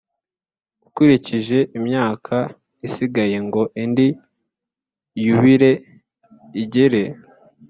akurikije imyaka isigaye ngo indi Yubile igere